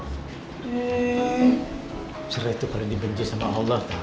eh cerai itu pada dibenjai sama allah tau